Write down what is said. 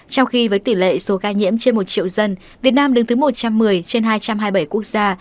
trong khi với tỷ lệ số ca nhiễm trên một triệu dân việt nam đứng thứ một trăm một mươi trên hai trăm hai mươi bảy quốc gia